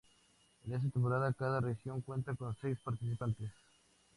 En esta temporada cada Región cuenta con seis participantes.